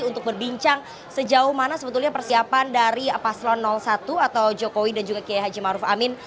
untuk berbincang sejauh mana sebetulnya persiapan dari paslon satu atau jokowi dan juga kiai haji maruf amin